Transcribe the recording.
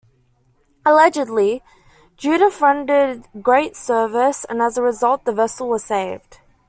Allegedly, Judith rendered great service and as a result the vessel was saved.